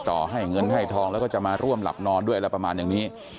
ต่อให้เงินให้ทองแล้วก็จะมาร่วมหลับนอนด้วยประมาณ